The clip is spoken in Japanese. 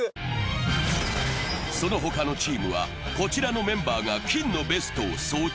そのほかのチームはこちらのメンバーが金のベストを装着。